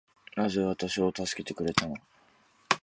なぜ私を助けてくれたの